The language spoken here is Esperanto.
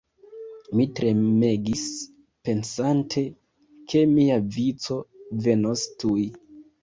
Mi tremegis pensante, ke mia vico venos tuj.